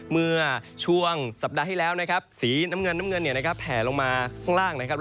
เมื่อช่วงสัปดาห์ที่แล้วนะครับสีน้ำเงินน้ำเงินเนี่ยนะครับแผลลงมาข้างล่างนะครับ